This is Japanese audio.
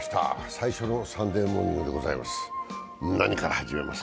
最初の「サンデーモーニング」でございます。